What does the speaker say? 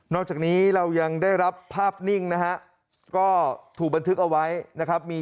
จากนี้เรายังได้รับภาพนิ่งนะฮะก็ถูกบันทึกเอาไว้นะครับ